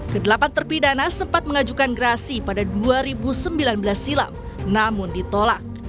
kedelapan terpidana sempat mengajukan gerasi pada dua ribu sembilan belas silam namun ditolak